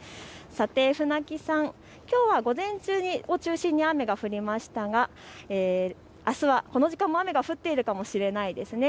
さて船木さん、きょうは午前中を中心に雨が降りましたがあすはこの時間も雨が降っているかもしれないですね。